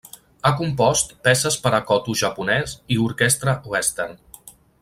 Ha compost peces per a koto japonès i orquestra Western.